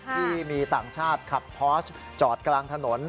ที่มีต่างชาติขับพอร์ชจอดกลางถนน